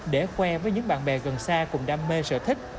để khoe với những bạn bè gần xa cùng đam mê sở thích